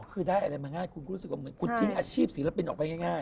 คือได้อะไรมาง่ายคุณคิดว่าคุณทิ้งอาชีพศิลปินออกไปง่าย